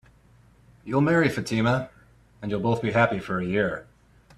You'll marry Fatima, and you'll both be happy for a year.